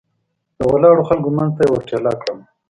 د ولاړو خلکو منځ ته یې ور ټېله کړم.